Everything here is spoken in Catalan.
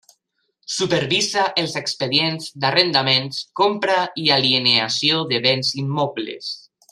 Supervisa els expedients d'arrendaments, compra i alienació de béns immobles.